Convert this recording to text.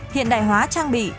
hiện đại hóa trang bị